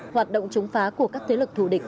hoạt động chống phá của các thế lực thù địch